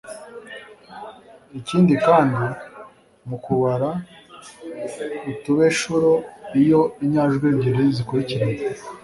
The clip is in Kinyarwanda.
ikindikandi mu kubara utubeshuro iyo inyajwi ebyiri zikurikiranye